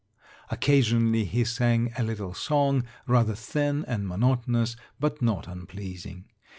Occasionally he sang a little song, rather thin and monotonous, but not unpleasing.